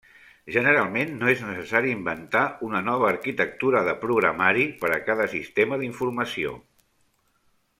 Generalment, no és necessari inventar una nova arquitectura de programari per a cada sistema d'informació.